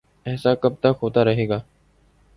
ایسا کب تک ہوتا رہے گا؟